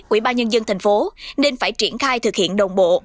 ủy ban nhân dân tp hcm nên phải triển khai thực hiện đồng bộ